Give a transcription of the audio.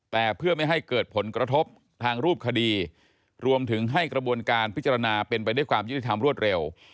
แต่เพื่อไม่ให้เกิดผลกระทบทางรูปคดีรวมถึงให้กระบวนการพิจารณาเป็นไปด้วยความยุติธรรมรวดเร็ว